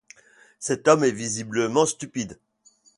Cet homme était visiblement stupide.